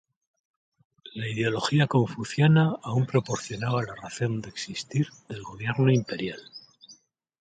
La ideología confuciana aún proporcionaba la razón de existir del gobierno imperial.